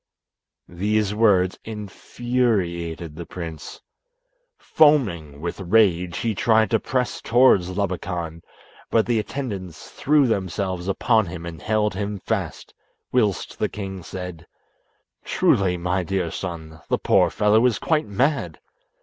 These words infuriated the prince. Foaming with rage, he tried to press towards Labakan, but the attendants threw themselves upon him and held him fast, whilst the king said, "Truly, my dear son, the poor fellow is quite mad.